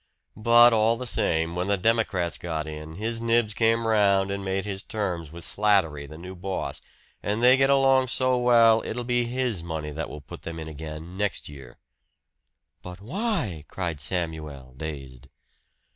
But all the same, when the Democrats got in, his nibs came round and made his terms with Slattery, the new boss; and they get along so well it'll be his money that will put them in again next year." "But WHY?" cried Samuel dazed.